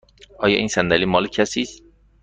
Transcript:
آیا این صندلی مال کسی است؟